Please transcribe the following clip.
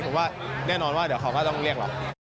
ผมว่าแน่นอนว่าเดี๋ยวเขาก็ต้องเรียกเรา